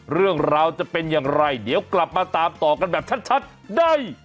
เรื่องราวจะเป็นอย่างไรเดี๋ยวกลับมาตามต่อกันแบบชัดได้